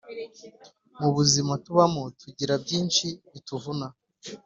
mubuzima tubamo tugira byinshi bituvuna